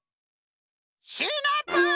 シナプー！